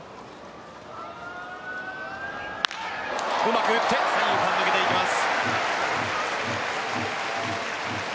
うまく打って三遊間抜けていきます。